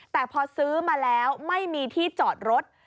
แต่พอซื้อมาแล้วไม่มีที่จอดรถ